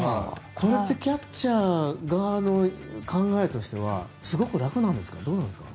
これってキャッチャー側の考えとしてはすごく楽なんですかどうなんですか。